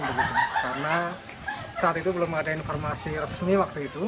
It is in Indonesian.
karena saat itu belum ada informasi resmi waktu itu